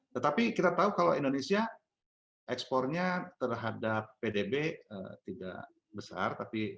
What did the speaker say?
tetapi kita tahu kalau indonesia ekspornya terhadap pdb tidak besar